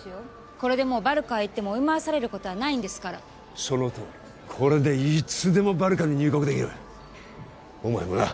これでもうバルカへ行っても追い回されることはないんですからそのとおりこれでいつでもバルカに入国できるお前もな